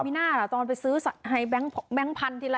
มีหน้าล่ะตอนไปซื้อให้แบงค์พันธุ์ทีละ